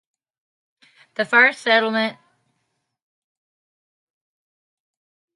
The first settlement in the area was West Waterloo, now known as South Castlegar.